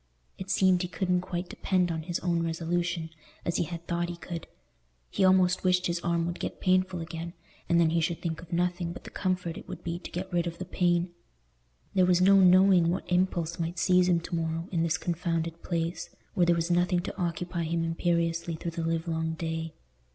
It seemed he couldn't quite depend on his own resolution, as he had thought he could; he almost wished his arm would get painful again, and then he should think of nothing but the comfort it would be to get rid of the pain. There was no knowing what impulse might seize him to morrow, in this confounded place, where there was nothing to occupy him imperiously through the livelong day.